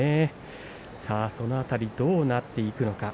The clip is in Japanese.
その辺りどうなっていくのか。